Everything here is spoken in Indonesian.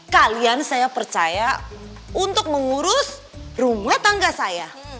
kalian saya percaya untuk mengurus rumah tangga saya